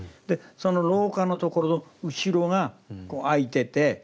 でその廊下のところの後ろがあいてて。